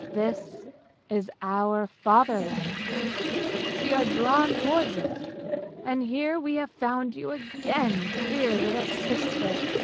This is our Fatherland, we are drawn towards it, and here we have found you again, dear little sister!